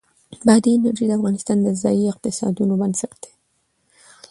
بادي انرژي د افغانستان د ځایي اقتصادونو بنسټ دی.